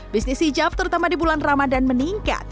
bisnis hijab terutama di bulan ramadan meningkat